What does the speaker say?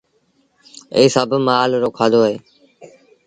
ايٚ سڀ مآل رو کآڌو اهي۔